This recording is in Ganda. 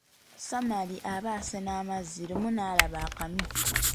Samali aba asena amazzi, lumu n'alaba akamyu.